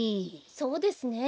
そうですね。